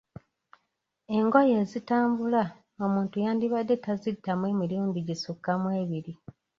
Engoye ezitambula, omuntu yandibadde taziddamu mirundi gisukka mu ebiri.